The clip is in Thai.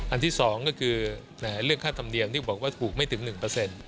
ที่๒ก็คือเรื่องค่าธรรมเนียมที่บอกว่าถูกไม่ถึง๑